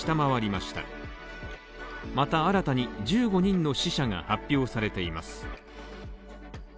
また、新たに１５人の死者が発表されています。